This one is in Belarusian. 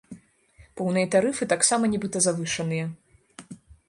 Поўныя тарыфы таксама нібыта завышаныя.